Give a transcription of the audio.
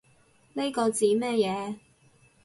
呢個指乜嘢